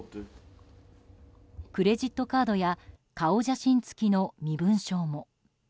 クレジットカードや顔写真付きの身分証も。